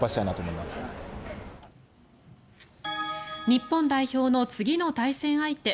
日本代表の次の対戦相手